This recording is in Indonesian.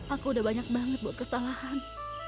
aku udah banyak banget buat kesalahan